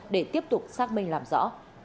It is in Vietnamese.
để tiếp tục xác minh làm rõ